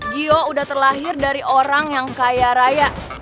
gio udah terlahir dari orang yang kaya raya